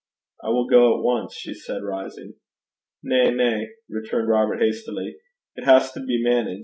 'I will go at once,' she said, rising. 'Na, na,' returned Robert, hastily. 'It has to be manage.